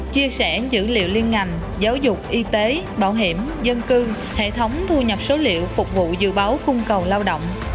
chia sẻ dữ liệu liên ngành giáo dục y tế bảo hiểm dân cư hệ thống thu nhập số liệu phục vụ dự báo khung cầu lao động